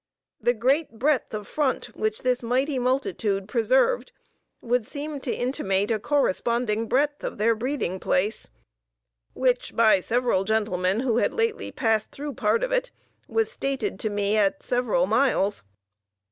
The great breadth of front which this mighty multitude preserved would seem to intimate a corresponding breadth of their breeding place, which, by several gentlemen who had lately passed through part of it, was stated to me at several miles.